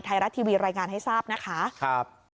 ไทยรัฐทีวีรายงานให้ทราบนะคะครับ